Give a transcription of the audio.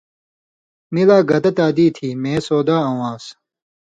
می لا گتہ تادی تھی مے سودا اؤں آن٘س